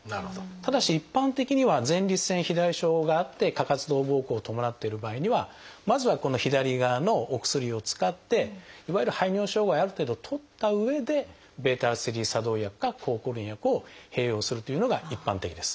ただし一般的には前立腺肥大症があって過活動ぼうこうを伴っている場合にはまずはこの左側のお薬を使っていわゆる排尿障害をある程度取ったうえでβ作動薬か抗コリン薬を併用するというのが一般的です。